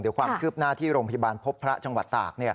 เดี๋ยวความคืบหน้าที่โรงพยาบาลพบพระจังหวัดตาก